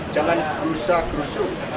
jangan berusaha gerusuk